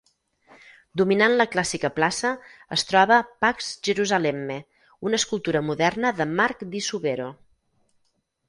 Dominant la clàssica plaça es troba "Pax Jerusalemme", una escultura moderna de Mark di Suvero.